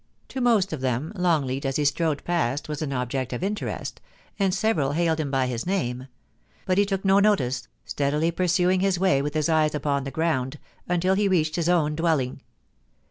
To most of them Longleai as he strode past was an object of interest, and several hailed him by his name ; but he took no notice, steadily pursuing his way with his eyes "upon the ground, until he reached his o^vn dwelling.